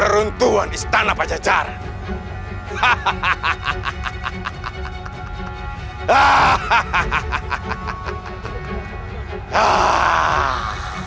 runtuhan istana pajacaran